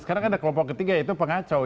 sekarang ada kelompok ketiga yaitu pengacau